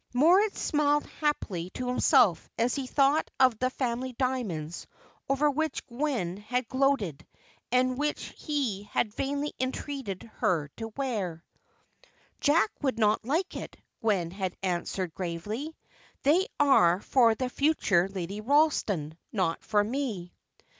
Moritz smiled happily to himself as he thought of the family diamonds, over which Gwen had gloated, and which he had vainly entreated her to wear. "Jack would not like it," Gwen had answered, gravely. "They are for the future Lady Ralston, not for me."